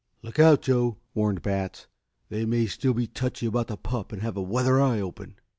"Look out, Joe!" warned Batts. "They may still be touchy about the pup and have a weather eye open."